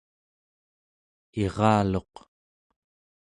iraluq